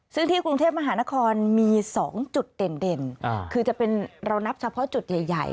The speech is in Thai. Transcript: ซึ่งที่กรุงเทพมหานครมี๒จุดเด่นคือจะเป็นเรานับเฉพาะจุดใหญ่